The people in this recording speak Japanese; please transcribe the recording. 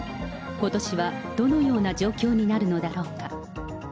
ことしはどのような状況になるのだろうか。